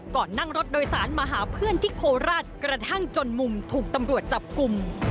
ก่อนนั่งรถโดยสารมาหาเพื่อนที่โคราชกระทั่งจนมุมถูกตำรวจจับกลุ่ม